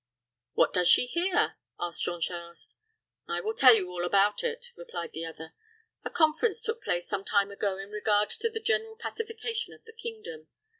"What does she here?" asked Jean Charost. "I will tell you all about it," replied the other. "A conference took place some time ago in regard to the general pacification of the kingdom.